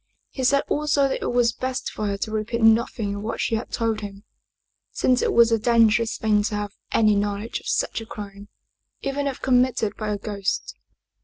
He said also that it was best for her to repeat nothing of what she had told him, since it was a dangerous thing to have any knowledge of such a crime, even if committed by a ghost.